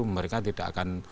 mereka tidak akan